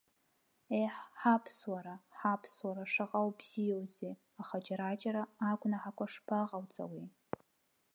Еҳ, ҳаԥсуара, ҳаԥсуара шаҟа убзиоузеи, аха џьара-џьара агәнаҳақәагьы шԥаҟауҵауеи.